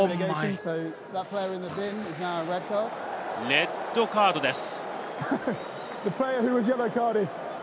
レッドカードです。